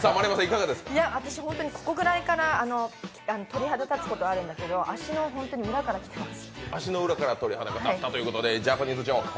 私、本当にここぐらいから鳥肌立つことはあるんだけど、足の裏から来てます。